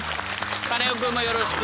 カネオくんもよろしく。